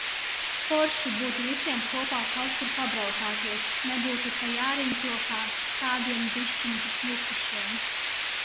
Forši būtu visiem kopā kaut kur pabraukāties, nebūtu te jāriņķo kā tādiem bišķiņ jukušiem.